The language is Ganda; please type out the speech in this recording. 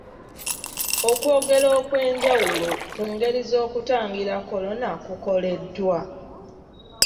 Okwogera okw'enjawulo ku ngeri z'okwetangira kolona kukoleddwa.